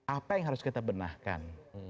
apa yang harus kita benahkan